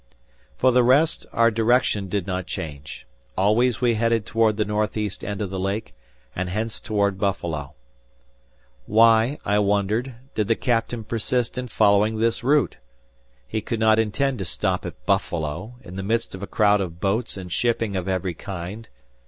For the rest, our direction did not change. Always we headed toward the northeast end of the lake, and hence toward Buffalo. Why, I wondered, did the captain persist in following this route? He could not intend to stop at Buffalo, in the midst of a crowd of boats and shipping of every kind.